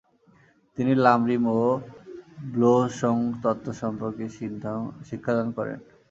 তিনি লাম-রিম ও ব্লো-স্ব্যোং তত্ত্ব সম্বন্ধে শিক্ষাদান করেন।